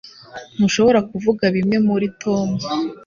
Ntushobora kuvuga bimwe muri Tom